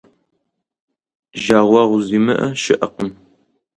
Жагъуэгъу зимыӏэ щыӏэкъым.